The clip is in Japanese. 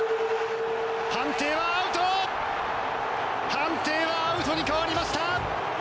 判定はアウトに変わりました！